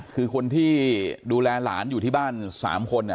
คือคนที่ดูแลหลานอยู่ที่บ้าน๓คน